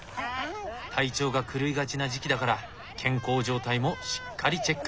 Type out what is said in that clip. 体調が狂いがちな時期だから健康状態もしっかりチェック。